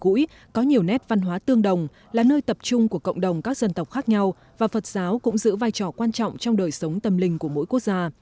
các gũi có nhiều nét văn hóa tương đồng là nơi tập trung của cộng đồng các dân tộc khác nhau và phật giáo cũng giữ vai trò quan trọng trong đời sống tâm linh của mỗi quốc gia